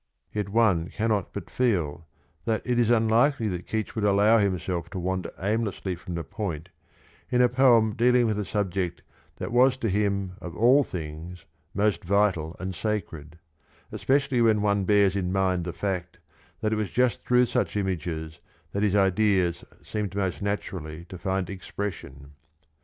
"^ Yet one cannot but feel that it is unlikely that Keats would allow himself to wander aimlessly from the point in a poem dealing with a subject that was to him of all things most vital and sacred, especially when one bears in mind the fact that it was just through such images that his ideas seemed most naturally to find expression.